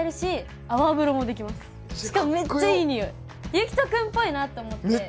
ゆきとくんぽいなと思って！